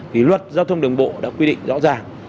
thì luật giao thông đường bộ đã quy định rõ ràng